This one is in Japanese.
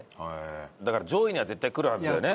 だから上位には絶対くるはずだよね。